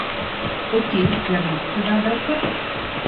Окей, звярніцеся да адрасата.